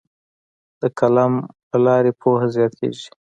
د قلم له لارې پوهه زیاتیږي.